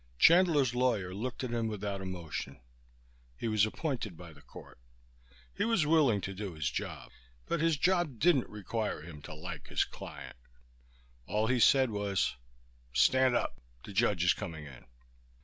Chandler's lawyer looked at him without emotion. He was appointed by the court. He was willing to do his job, but his job didn't require him to like his client. All he said was, "Stand up. The judge is coming in."